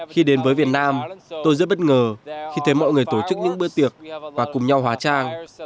khi đến với việt nam tôi rất bất ngờ khi thấy mọi người tổ chức những bữa tiệc và cùng nhau hóa trang